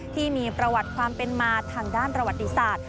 ที่มีประวัติความเป็นมาทางด้านประวัติศาสตร์